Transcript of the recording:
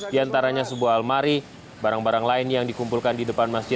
di antaranya sebuah almari barang barang lain yang dikumpulkan di depan masjid